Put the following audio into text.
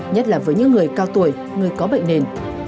nhất là với những người cao tuổi người có bệnh nền